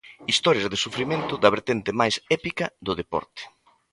Historias de sufrimento, da vertente máis épica do deporte.